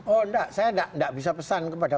oh enggak saya enggak bisa pesan kepada